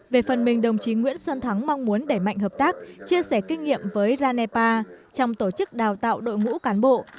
về phần mình đồng chí nguyễn xuân thắng mong muốn đẩy mạnh hợp tác chia sẻ kinh nghiệm với ranepa trong tổ chức đào tạo đội ngũ cán bộ